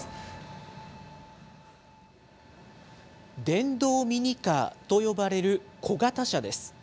電動ミニカーと呼ばれる小型車です。